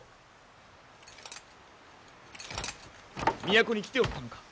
都に来ておったのか？